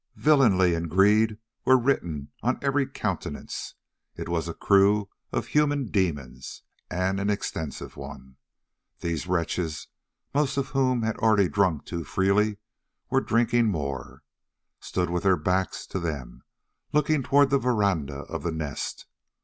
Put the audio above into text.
Villainy and greed were written on every countenance; it was a crew of human demons, and an extensive one. These wretches, most of whom had already drunk too freely and were drinking more, stood with their backs to them, looking towards the verandah of the Nest.